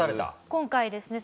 今回ですね